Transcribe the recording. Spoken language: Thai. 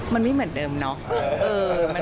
มันไม่เหมือนเดิมเนาะ